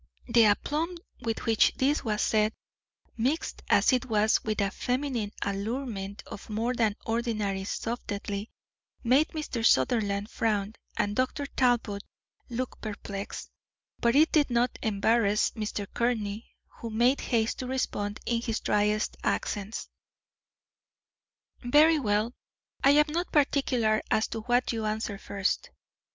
The aplomb with which this was said, mixed as it was with a feminine allurement of more than ordinary subtlety, made Mr. Sutherland frown and Dr. Talbot look perplexed, but it did not embarrass Mr. Courtney, who made haste to respond in his dryest accents: "Very well, I am not particular as to what you answer first.